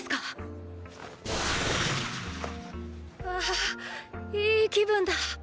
ああいい気分だ！